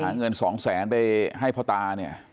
หาเงิน๒๐๐๐๐๐บาทไปให้พ่อตาเนี่ย